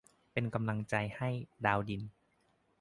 เป็นกำลังใจให้ ดาวดิน